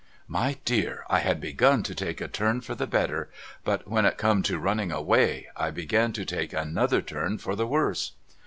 My dear I had begun to take a turn fur the better, but when it come to running away I began to take another turn for the worse.